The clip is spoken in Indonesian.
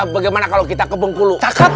bagaimana kalau kita ke bengkulu